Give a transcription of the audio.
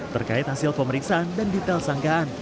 terkait hasil pemeriksaan dan detail sangkaan